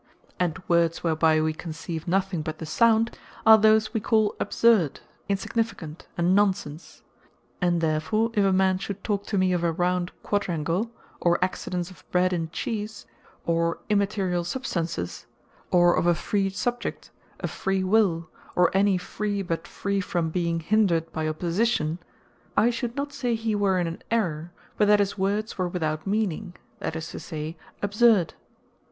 And words whereby we conceive nothing but the sound, are those we call Absurd, insignificant, and Non sense. And therefore if a man should talk to me of a Round Quadrangle; or Accidents Of Bread In Cheese; or Immaterial Substances; or of A Free Subject; A Free Will; or any Free, but free from being hindred by opposition, I should not say he were in an Errour; but that his words were without meaning; that is to say, Absurd.